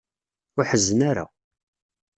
Ur ḥezzen ara.